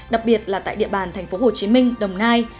đặc biệt là tại địa bàn tp hcm đồng nai